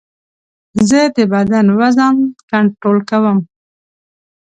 زه د بدن وزن کنټرول کوم.